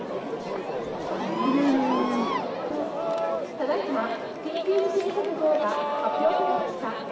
ただいま、緊急地震速報が発表されました。